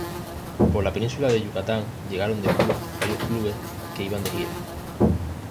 Por la península de Yucatán llegaron de Cuba varios clubes que iban de gira.